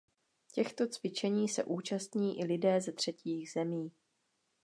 Těchto cvičení se účastní i lidé ze třetích zemí.